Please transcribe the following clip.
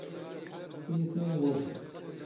ⵜⵉⵢⵜⵉ ⵏ ⵡⵓⵍ.